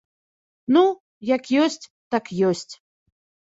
Ну, як ёсць, так ёсць.